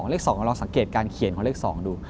เลข๒ลองสังเกตการเขียนของเลข๒ดู